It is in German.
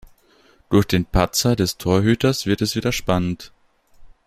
Durch den Patzer des Torhüters wird es wieder spannend.